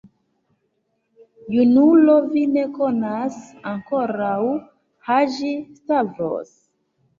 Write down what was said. Junulo, vi ne konas ankoraŭ Haĝi-Stavros.